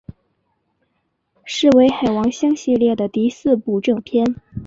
是为海王星系列的第四部正篇。